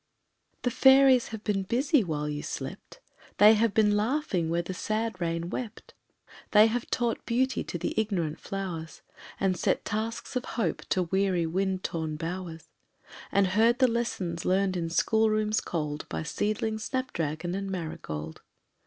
The fairies have been busy while you slept; They have been laughing where the sad rain wept, They have taught Beauty to the ignorant flowers, Set tasks of hope to weary wind torn bowers, And heard the lessons learned in school rooms cold By seedling snapdragon and marigold.